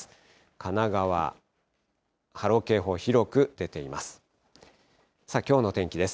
神奈川、波浪警報、広く出ています。